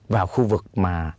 vào khu vực mà